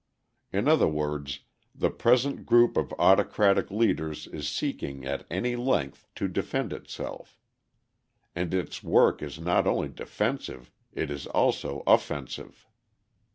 In other words, the present group of autocratic leaders is seeking at any length to defend itself. And its work is not only defensive, it is also offensive.